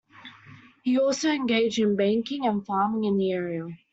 He also engaged in banking and farming in the area.